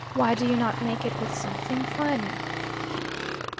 Why do you not make it with something finer?"